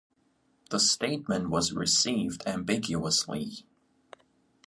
The statement was received ambiguously.